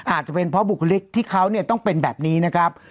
อาจจะเป็นเพราะบุคลิกที่เขาต้องเป็นแบบนี้นะครับ